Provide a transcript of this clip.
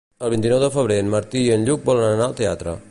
El vint-i-nou de febrer en Martí i en Lluc volen anar al teatre.